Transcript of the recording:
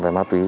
với ma tuế